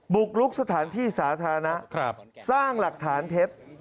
บุกลุกสถานที่สาธารณะสร้างหลักฐานเท็จ